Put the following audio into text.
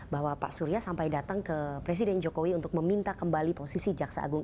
bahwa pak surya sampai datang ke presiden jokowi untuk meminta kembali posisi jaksa agung